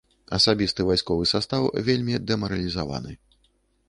Асабісты вайсковы састаў вельмі дэмаралізаваны.